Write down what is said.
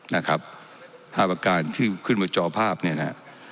๕ประการที่ขึ้นมาจอภาพเนี่ยน่ะ